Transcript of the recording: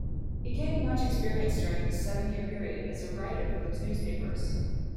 He gained much experience during this seven-year period as a writer for those newspapers.